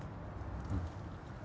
うん。